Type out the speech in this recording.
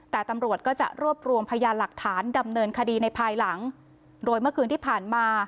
แต่ตำรวจก็จะรวบรวมพยานหลักฐานดำเนินคดีในภายหลังโดยเมื่อคืนที่ผ่านมา